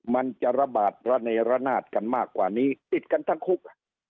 มันจะระบาดระเนระนาดกันมากกว่านี้ติดกันทั้งคุก